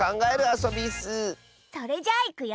それじゃあいくよ。